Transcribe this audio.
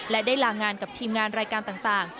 และได้ลางานกับทีมงานรายการต่าง